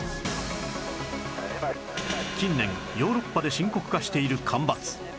近年ヨーロッパで深刻化している干ばつ